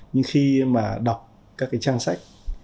nhưng khi mà đọc các cái trang sách